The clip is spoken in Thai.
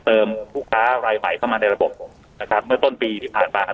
ผู้ค้ารายใหม่เข้ามาในระบบนะครับเมื่อต้นปีที่ผ่านมา